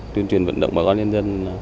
tuyên truyền vận động bà con nhân dân